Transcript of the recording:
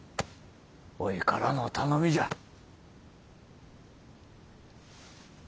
おいからの頼みじゃ。